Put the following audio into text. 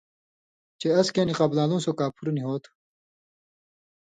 چے اس کېں نی قبلالُوں سو کاپُھر نی ہوتُھو۔